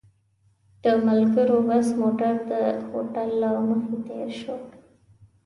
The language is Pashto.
د ملګرو بس موټر د هوټل له مخې تېر شو.